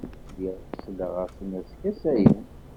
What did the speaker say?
Lliɣ selleɣ-asen a skasayen.